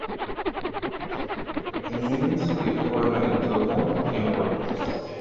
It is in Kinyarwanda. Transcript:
Iminsi ikona inzovu (ingwe)